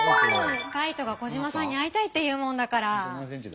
カイトがコジマさんに会いたいっていうもんだから。